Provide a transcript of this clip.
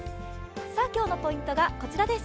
今日のポイントがこちらです。